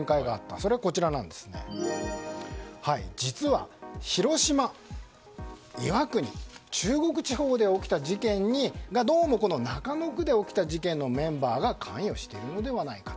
それは実は広島、岩国中国地方で起きた事件にどうも中野区で起きた事件のメンバーが関与しているのではないかと。